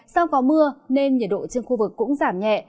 do có mưa nên nhiệt độ trên khu vực cũng giảm nhẹ